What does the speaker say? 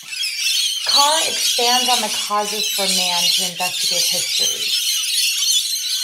Carr expands on the causes for man to investigate history.